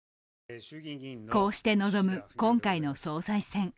こうして臨む今回の総裁選。